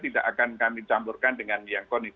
tidak akan kami campurkan dengan yang koni